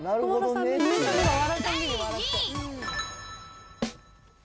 第２位。